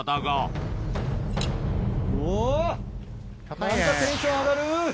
何かテンション上がる。